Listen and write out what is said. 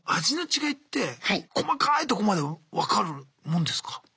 味の違いって細かいとこまで分かるもんですか？